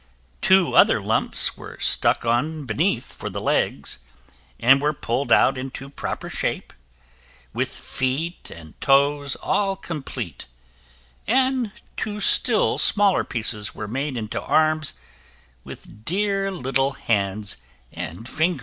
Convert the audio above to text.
Two other lumps were stuck on beneath for the legs, and were pulled out into proper shape, with feet and toes all complete, and two still smaller pieces were made into arms, with dear little hands and fingers.